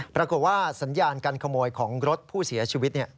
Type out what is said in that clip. ปรากฏว่าสัญญาการขโมยของรถผู้เสียชีวิต